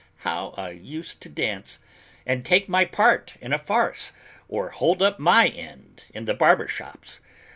How I used to dance! And take my part in a farce, or hold up my end in the barber shops!